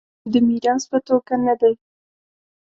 د میراث په توګه نه دی.